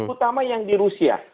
utama yang di rusia